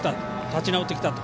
立ち直ってきたと。